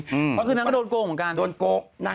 เพราะคือนักก็โดนโกงเหมือนกัน